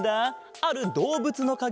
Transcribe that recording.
あるどうぶつのかげだぞ。